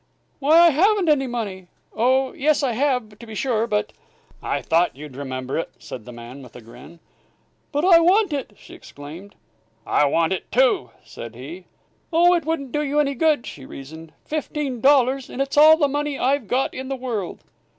"Why, I haven't any money! Oh, yes, I have, to be sure, but " "I thought you'd remember it," said the man, with a grin. "But I want it!" she exclaimed. "I want it, too!" said he. "Oh, it wouldn't do you any good," she reasoned. "Fifteen dollars. And it's all the money I've got in the world!"